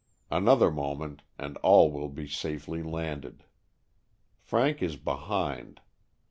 An other moment and all will be safely landed. Frank is behind.